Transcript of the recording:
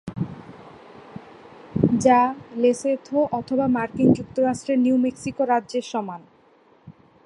যা লেসোথো অথবা মার্কিন যুক্তরাষ্ট্রের নিউ মেক্সিকো রাজ্যর সমান।